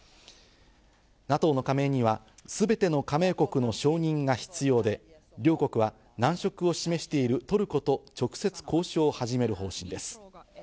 ＮＡＴＯの加盟には全ての加盟国の承認が必要で、両国は難色を示しているトルコと直接交渉を始める方針です。